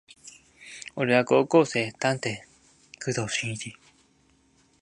俺は高校生探偵工藤新一